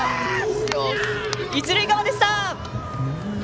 一塁側でした！